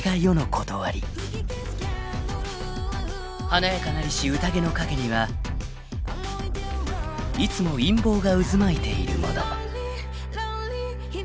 ［華やかなりし宴の陰にはいつも陰謀が渦巻いているもの］